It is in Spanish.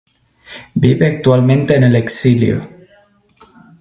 Vive actualmente en el exilio.